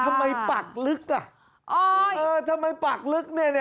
ทำไมปักลึกน่ะทำไมปักลึกนี่